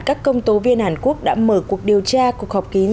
các công tố viên hàn quốc đã mở cuộc điều tra cuộc họp kín